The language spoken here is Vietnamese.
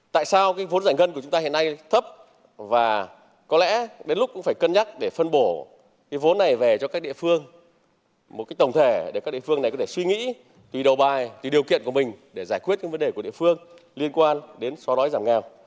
tại sao vốn giải ngân của chúng ta hiện nay thấp và có lẽ đến lúc cũng phải cân nhắc để phân bổ cái vốn này về cho các địa phương một cách tổng thể để các địa phương này có thể suy nghĩ tùy đầu bài tùy điều kiện của mình để giải quyết những vấn đề của địa phương liên quan đến xóa đói giảm nghèo